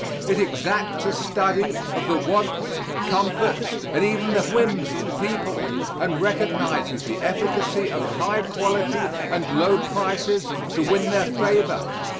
It exacts a study of the wants, comforts, and even the whims of the people, and recognizes the efficacy of high quality and low prices to win their favor.